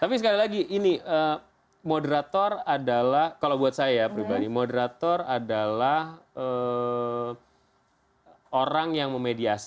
tapi sekali lagi ini moderator adalah kalau buat saya pribadi moderator adalah orang yang memediasi